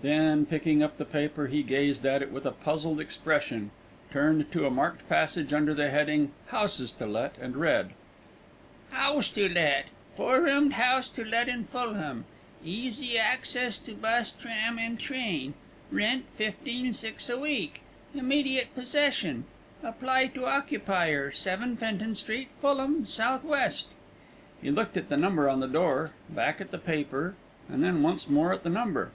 Then, picking up the paper, he gazed at it with a puzzled expression, turned to a marked passage under the heading "Houses to Let," and read: HOUSE TO LET. Four roomed house to let in Fulham. Easy access to bus, tram and train. Rent 15/6 a week. Immediate possession. Apply to occupier, 7 Fenton Street, Fulham, S.W. He looked at the number on the door, back again at the paper, then once more at the number.